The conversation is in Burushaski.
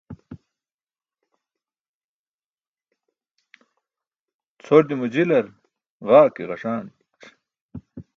Cʰordimo jilar gaa ke gaṣanc̣.